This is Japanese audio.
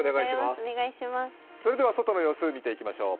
それでは外の様子を見ていきましょう。